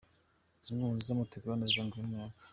Zimwe mu nzu z’amategura na zo zangijwe n’umuyaga.